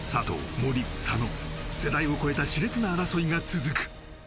藤森佐野世代を超えたしれつな争いが続く